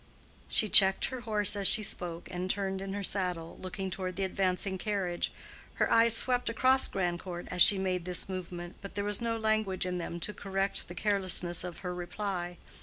She checked her horse as she spoke, and turned in her saddle, looking toward the advancing carriage. Her eyes swept across Grandcourt as she made this movement, but there was no language in them to correct the carelessness of her reply.